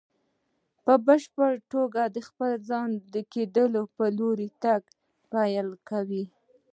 په بشپړ توګه د خپل ځان کېدو په لور تګ پيل کوي.